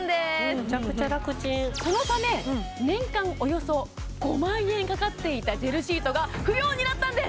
めちゃくちゃ楽ちんそのため年間およそ５万円かかっていたジェルシートが不要になったんです！